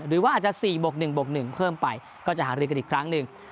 หรือว่าอาจจะ๔บวก๑บวก๑เพิ่มไปก็จะหารือกันอีกครั้งหนึ่ง